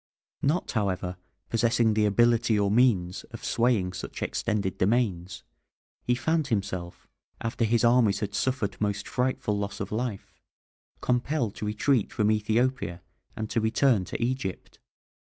Not, however, possessing the ability or means of swaying such extended domains, he found himself, after his armies had suffered most frightful loss of life, compelled to retreat from Ethiopia and to return to Egypt.